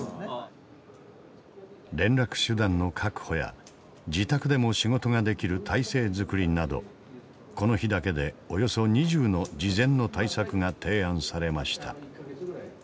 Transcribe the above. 連絡手段の確保や自宅でも仕事ができる体制づくりなどこの日だけでおよそ２０の事前の対策が提案されました。